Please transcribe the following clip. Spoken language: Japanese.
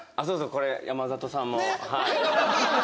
これ山里さんも。